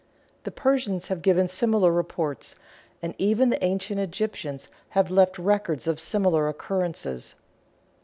The Persians have given similar reports, and even the ancient Egyptians have left records of similar occurrences.